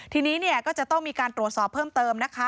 ทีนี้เนี่ยก็จะต้องมีการตรวจสอบเพิ่มเติมนะคะ